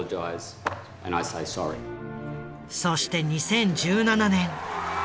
そして２０１７年。